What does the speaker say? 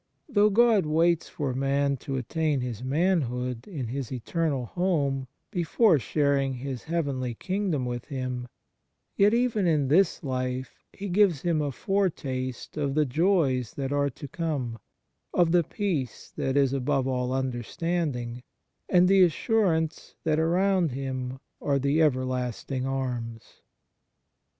Though God waits for man to attain his manhood in his eternal home before sharing His heavenly king dom with him, yet even in this life He 1 Luke xii. 22 28. 2 I Pet. v. 7. 123 THE MARVELS OF DIVINE GRACE gives him a foretaste of the joys that are to come, of the peace that is above all understanding, and the assurance that around him are " the everlasting arms."